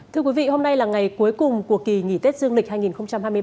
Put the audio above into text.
thưa quý vị hôm nay là ngày cuối cùng của kỳ nghỉ tết dương lịch hai nghìn hai mươi bốn